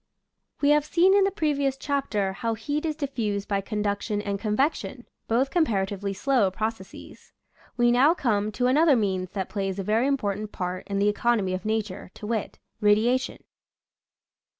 We have seen in the previous chapter how heat is diffused by conduction and convection, both comparatively slow processes. We now come to another means that plays a very im portant part in the economy of nature, to wit, radiation.